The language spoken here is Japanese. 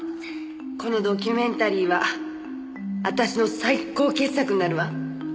このドキュメンタリーは私の最高傑作になるわ。